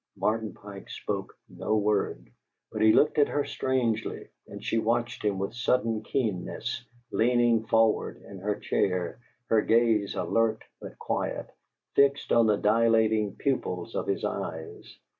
Martin Pike spoke no word, but he looked at her strangely; and she watched him with sudden keenness, leaning forward in her chair, her gaze alert but quiet, fixed on the dilating pupils of his eyes.